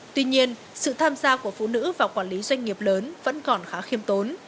tuy nhiên sự tham gia của phụ nữ và quản lý doanh nghiệp lớn vẫn còn khá khiêm tốn